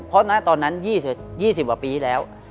เพราะตอนนั้น๒๐กว่าปีแล้ว